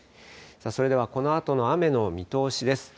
それではこのあとの雨の見通しです。